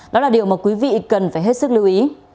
đó là điều mà quý vị cần phải hết sức lưu ý